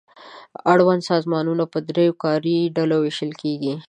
اړوند سازمانونه په دریو کاري ډلو وېشل کیږي.